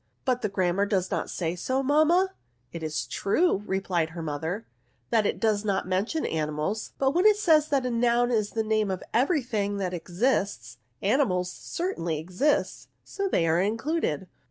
" But the Grammar does not say so, mamma ?"'* It is true," replied her mother, '* that it does not mention animals : but when it savs that a noun is the name of every thing that exists, animals certainly exist, so they are included."